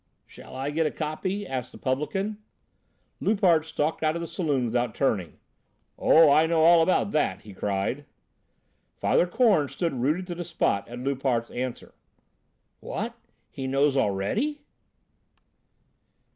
"Shall I get a copy?" asked the publican. Loupart stalked out of the saloon without turning. "Oh, I know all about that," he cried. Father Korn stood rooted to the spot at Loupart's answer. "What! He knows already!"